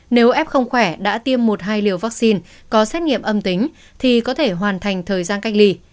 nếu f không khỏe đã tiêm một hai liều vaccine có xét nghiệm âm tính thì có thể hoàn thành thời gian cách ly